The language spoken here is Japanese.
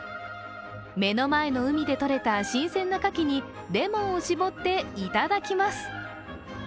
目の前の海でとれた新鮮なかきにレモンを搾っていただきます。